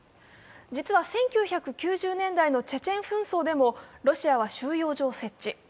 実は１９９０年代のチェチェン紛争でもロシアは収容所を設置。